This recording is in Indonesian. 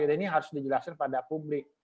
ini harus dijelaskan pada publik